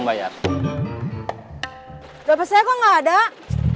selesai sama badak